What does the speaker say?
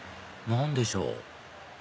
何でしょう？